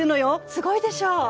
すごいでしょ？